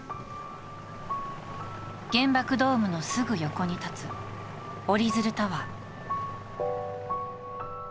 原爆ドームのすぐ横に立つ、おりづるタワー。